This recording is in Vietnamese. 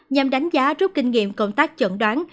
nhằm đánh giá rút kinh nghiệm công tác chẩn đoán